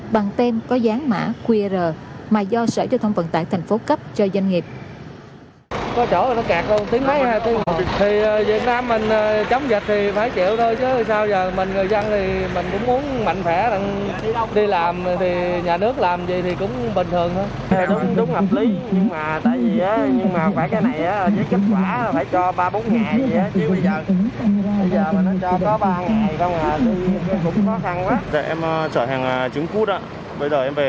bằng tên có dán mã qr mà do sở cho thông vận tải thành phố cấp cho doanh nghiệp